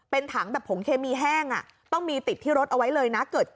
เป็นถังแบบผงเคมีแห้งต้องมีติดที่รถเอาไว้เลยนะ